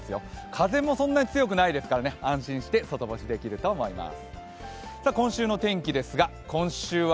風もそんなに強くないですから安心して外干しできると思います。